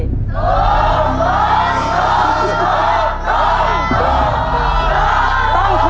ธุะธุะธุะธุะธุะตกขึ้น